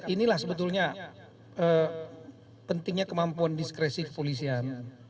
inilah sebetulnya pentingnya kemampuan diskresif polisian